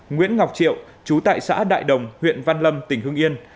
nguyễn ngọc triệu trú tại xã đại đồng huyện văn lâm tỉnh hương yên